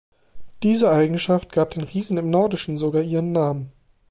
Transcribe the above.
Diese Eigenschaft gab den Riesen im Nordischen sogar ihren Namen.